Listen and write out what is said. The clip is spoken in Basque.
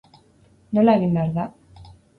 Nola egin behar ba?